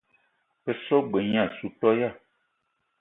Be so g-beu gne assou toya.